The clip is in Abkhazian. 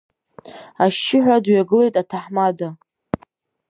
Ашьшьыҳәа дҩагылеит аҭаҳмада.